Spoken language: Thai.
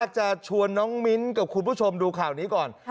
จะชวนน้องมิ้นกับคุณผู้ชมดูข่าวนี้ก่อน